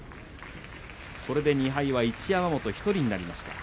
これで２敗は一山本１人になりました。